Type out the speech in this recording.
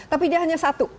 tapi dia hanya satu